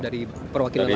dari perwakilan lain juga